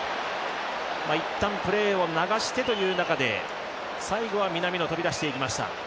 いったんプレーを流してという中で最後は南野、飛び出していきました。